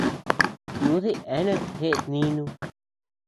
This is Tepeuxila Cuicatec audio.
Tiudi eanut jeʼet nínu.